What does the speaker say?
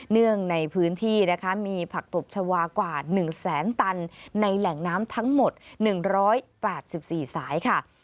เนื่องในพื้นที่นะคะมีผักตบชาวากว่า๑แสนตันในแหล่งน้ำทั้งหมด๑๘๔สายค่ะ